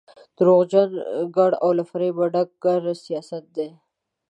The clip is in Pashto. درواغجن ګړ او له فرېبه ډک کړ سیاست دی.